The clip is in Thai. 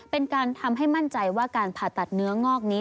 เป็นการทำให้มั่นใจว่าการผ่าตัดเนื้องอกนี้